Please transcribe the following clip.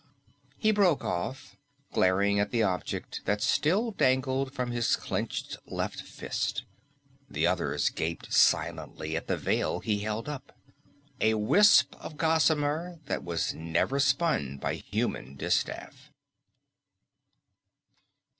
He broke off, glaring at the object that still dangled from his clenched left fist; the others gaped silently at the veil he held up a wisp of gossamer that was never spun by human distaff.